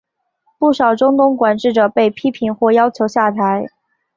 不少中东管治者被批评或要求下台。